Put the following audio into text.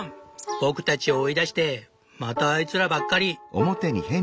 僕たちを追い出してまたあいつらばっかり！」。